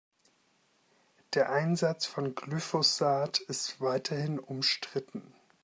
Der Einsatz von Glyphosat ist weiterhin umstritten.